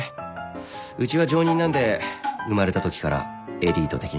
うちは上忍なんで生まれたときからエリート的な。